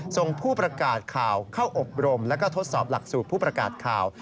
ส่งผู้ประกาศข่าวเข้าอบรมแล้วก็ทดสอบหลักสูตรผู้ประกาศข่าว